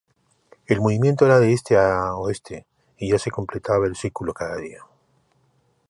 El movimiento era de este a oeste, y se completaba el círculo cada día.